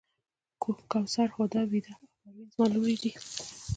کوثر، هُدا، ویدا او پروین زما لوڼې دي.